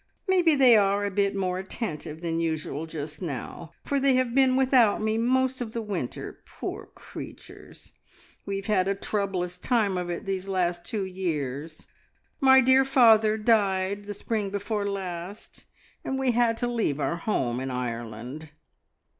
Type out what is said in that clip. Maybe they are a bit more attentive than usual just now, for they have been without me most of the winter, poor creatures! We have had a troublous time of it these last two years. My dear father died the spring before last, and we had to leave our home in Ireland.